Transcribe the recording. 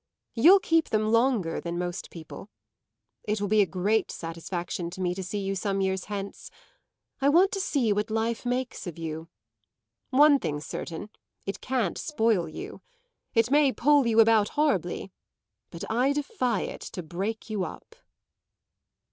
You'll keep them longer than most people; it will be a great satisfaction to me to see you some years hence. I want to see what life makes of you. One thing's certain it can't spoil you. It may pull you about horribly, but I defy it to break you up."